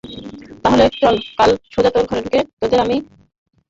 তাহলে চল কাল সোজা তোর ঘরে ঢুকে, তোকে আমি ওখানেই গেড়ে আসবো।